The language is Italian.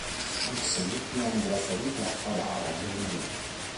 Visse gli ultimi anni della sua vita a Favara, dove morì.